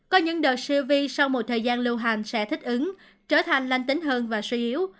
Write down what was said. có những đợt siêu vi sau một thời gian lưu hành sẽ thích ứng trở thành lanh tính hơn và suy yếu